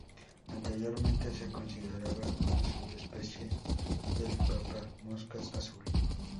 Anteriormente se consideraba una subespecie del papamoscas azul.